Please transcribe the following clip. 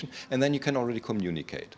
dan kemudian anda sudah bisa berkomunikasi